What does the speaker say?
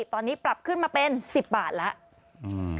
ตอนนี้ปรับขึ้นมาเป็น๑๐บาทแล้ว